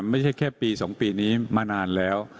ไม่ใช่แค่ปี๒ปีนี้มานานแล้ว